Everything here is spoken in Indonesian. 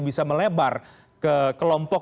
bisa melebar ke kelompok